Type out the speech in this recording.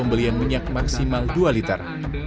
pembelian minyak maksimal dua liter